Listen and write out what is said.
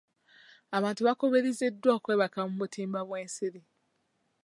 Abantu bakubirizibwa okwebaka mu butimba bw'ensiri.